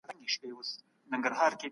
زه فکر کوم چې آنلاین خدمات اسانه دي.